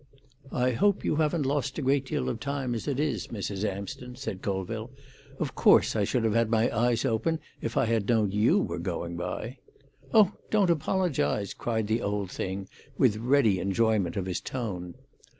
"I hope you haven't lost a great deal of time, as it is, Mrs. Amsden," said Colville. "Of course I should have had my eyes open if I had known you were going by." "Oh, don't apologise!" cried the old thing, with ready enjoyment of his tone.